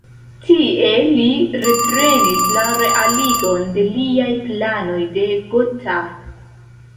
Tie li reprenis la realigon de liaj planoj de Gotha.